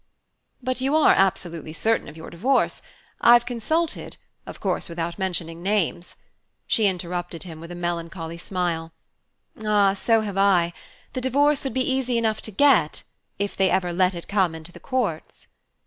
"But you are absolutely certain of your divorce! I've consulted of course without mentioning names " She interrupted him, with a melancholy smile: "Ah, so have I. The divorce would be easy enough to get, if they ever let it come into the courts."